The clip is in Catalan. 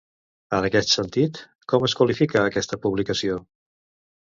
En aquest sentit, com es qualifica aquesta publicació?